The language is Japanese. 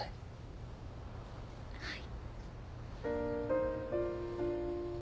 はい。